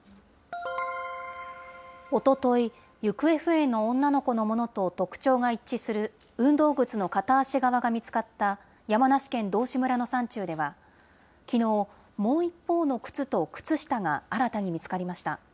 おととい、行方不明の女の子のものと特徴が一致する運動靴の片足側が見つかった、山梨県道志村の山中では、きのう、もう一方の靴と靴下が新たに見つかりました。